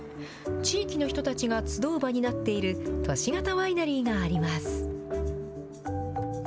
地域の人たちが集う場になっている都市型ワイナリーがあります。